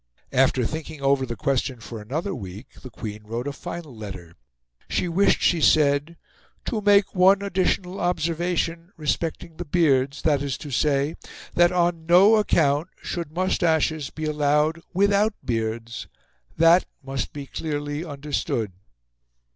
After thinking over the question for another week, the Queen wrote a final letter. She wished, she said, "to make one additional observation respecting the beards, viz. that on no account should moustaches be allowed without beards. That must be clearly understood."